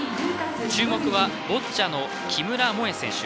注目はボッチャの木村萌愛選手。